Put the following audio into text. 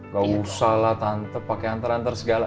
gausah lah tante pake anter anter segala